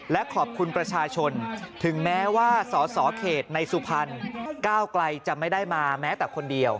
และขอบคุณประชาชนถึงแม้ว่าสอสอเขตในสุพรรณก้าวไกลจะไม่ได้มาแม้แต่คนเดียว